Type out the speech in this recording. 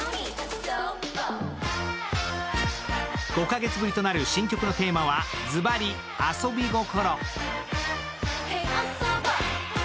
５カ月ぶりとなる新曲のテーマはずばり遊び心。